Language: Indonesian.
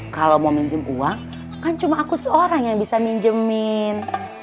kalau mau minjem uang kan cuma aku seorang yang bisa minjemin